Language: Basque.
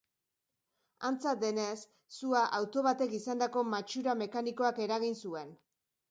Antza denez, sua auto batek izandako matxura mekanikoak eragin zuen.